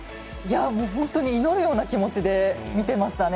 本当に祈るような気持ちで見てましたね。